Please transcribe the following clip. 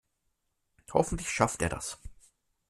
Hoffentlich schafft er das.